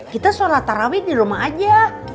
kita sholat tarawih di rumah aja